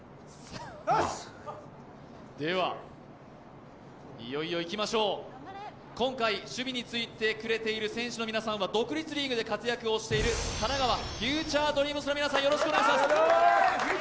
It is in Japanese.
では、いよいよいきましょう今回守備についてくれている選手の皆さんは独立リーグで活躍している神奈川フューチャードリームスの皆さんです。